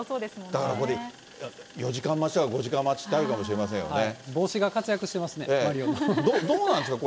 だからこれ、４時間待ちとか５時間待ちってあるかもしれませ帽子が活躍してますね、マリどうなんですか？